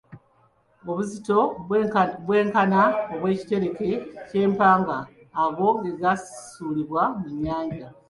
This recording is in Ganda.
Obuzito obwenkana obw'ekitereke ky'empanga, ago ge gaasuulibwa mu nnyanja.